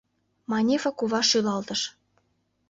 — Манефа кува шӱлалтыш.